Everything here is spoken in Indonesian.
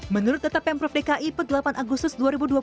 menurut data pemprov dki per delapan agustus dua ribu dua puluh